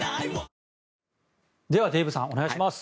ではデーブさんお願いします。